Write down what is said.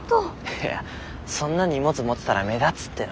いやそんな荷物持ってたら目立つっての。